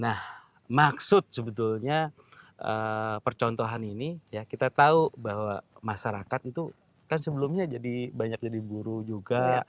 nah maksud sebetulnya percontohan ini ya kita tahu bahwa masyarakat itu kan sebelumnya jadi banyak jadi buru juga